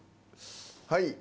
はい。